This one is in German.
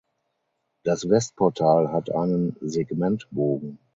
Das Westportal hat einen Segmentbogen.